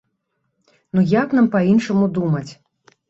Ну як нам па-іншаму думаць?